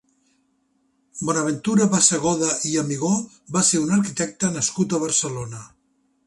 Bonaventura Bassegoda i Amigó va ser un arquitecte nascut a Barcelona.